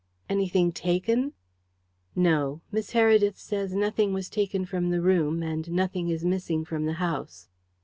"Anything taken?" "No. Miss Heredith says nothing was taken from the room, and nothing is missing from the house."